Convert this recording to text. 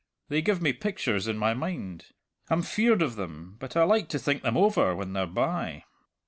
They give me pictures in my mind. I'm feared of them, but I like to think them over when they're by."